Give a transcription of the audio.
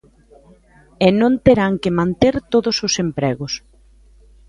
E non terán que manter todos os empregos.